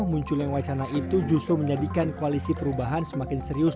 munculnya wacana itu justru menjadikan koalisi perubahan semakin serius